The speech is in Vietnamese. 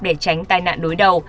để tránh tai nạn đối đầu